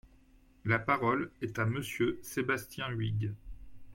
La parole est à Monsieur Sébastien Huyghe.